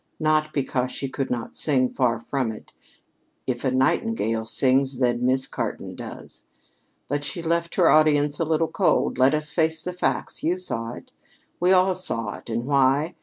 Not because she could not sing: far from it. If a nightingale sings, then Miss Cartan does. But she left her audience a little cold. Let us face the facts. You saw it. We all saw it. And why?